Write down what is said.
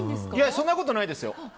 そんなことないですよ。